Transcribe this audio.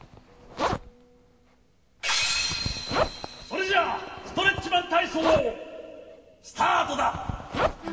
それじゃストレッチマンたいそうスタートだ。